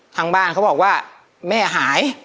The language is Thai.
ทางบ้านเขาบอกว่าแม่หาย